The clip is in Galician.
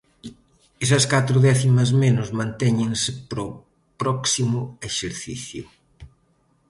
Esas catro décimas menos mantéñense para o próximo exercicio.